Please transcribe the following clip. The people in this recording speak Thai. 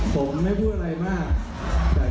ผมไม่พูดอะไรมาก